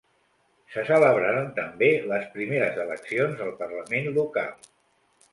Se celebraran també les primeres eleccions al parlament local.